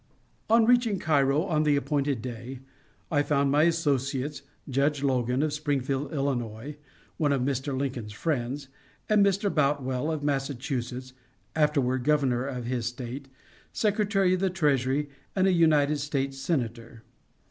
On reaching Cairo on the appointed day, I found my associates, Judge Logan, of Springfield, Ill., one of Mr. Lincoln's friends, and Mr. Boutwell, of Massachusetts, afterward Governor of his State, Secretary of the Treasury, and a United States senator.